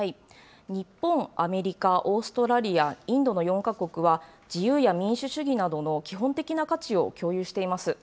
日本、アメリカ、オーストラリア、インドの４か国は、自由や民主主義などの基本的な価値を共有しています。